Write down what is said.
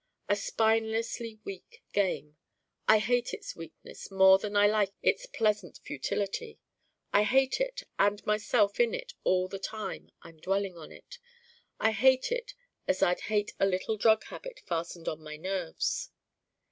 A spinelessly Weak game. I hate its Weakness more than I like its pleasant futility. I hate it and myself in it all the time I'm dwelling on it. I hate it as I'd hate a little drug habit fastened on my nerves.